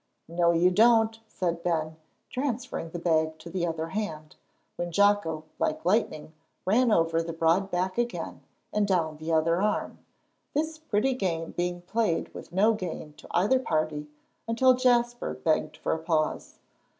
"No, you don't," said Ben, transferring the bag to the other hand, when Jocko like lightning ran over the broad back again, and down the other arm; this pretty game being played with no gain to either party, until Jasper begged for a pause.